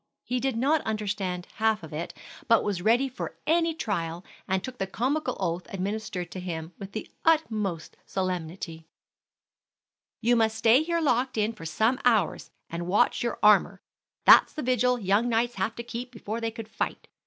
He did not understand half of it, but was ready for any trial, and took the comical oath administered to him with the utmost solemnity. "You must stay here locked in for some hours, and watch your armor. That's the vigil young knights had to keep before they could fight.